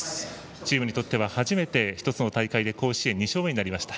チームにとっては初めて、１つの大会で甲子園２勝となりました。